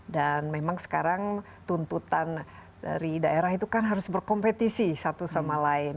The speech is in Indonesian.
dan memang sekarang tuntutan dari daerah itu kan harus berkompetisi satu sama lain